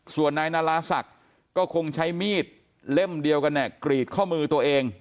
ส่วนนายนาราศักดิ์ก็คงใช้มีดเล่มเดียวกันเนี่ยกรีดข้อมือตัวเอง